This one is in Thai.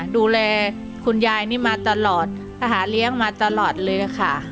ดูแลคุณยายนี่มาตลอดหาเลี้ยงมาตลอดเลยค่ะ